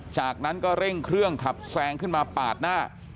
จากนั้นก็เร่งเครื่องขับแซงขึ้นมาปาดหน้า